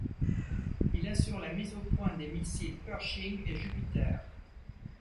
Il assure la mise au point des missiles Pershing et Jupiter.